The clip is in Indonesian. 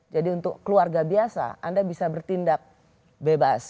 jadi untuk keluarga biasa anda bisa bertindak bebas